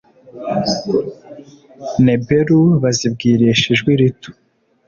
nebelu bazibwirisha ijwi rito